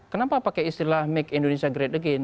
kenapa pakai istilah make indonesia great again